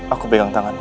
aku pegang wajahmu